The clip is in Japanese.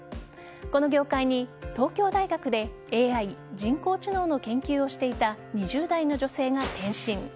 この業界に、東京大学でＡＩ＝人工知能の研究をしていた２０代の女性が転身。